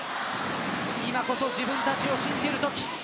今こそ自分たちを信じるとき。